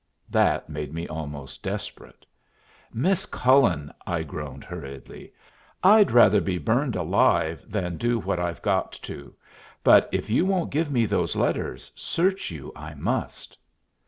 That made me almost desperate. "Miss Cullen," I groaned, hurriedly, "I'd rather be burned alive than do what I've got to, but if you won't give me those letters, search you I must."